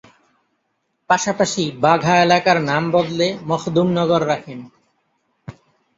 পাশাপাশি বাঘা এলাকার নাম বদলে "মখদুম নগর" রাখেন।